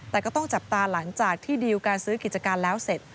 แต่ก็ต้องจับตาหลังจากที่ดีลการซื้อกิจการแล้วเสร็จ